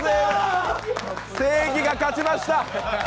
正義が勝ちました。